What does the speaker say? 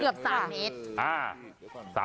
เกือบ๓เมตร